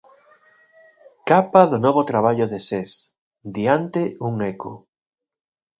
Capa do novo traballo de Sés, 'Diante un Eco'.